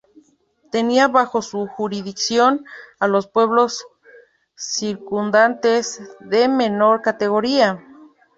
Tenían bajo su jurisdicción a los pueblos circundantes de menor categoría.